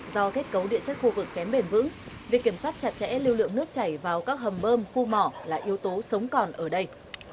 do kết cấu địa chất khu vực kém bền vững việc kiểm soát chặt chẽ lưu lượng nước chảy vào các hầm bơm khu mỏ là yếu tố sống còn ở đây